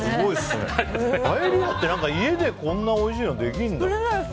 パエリアって家でこんなおいしいのできるんだ。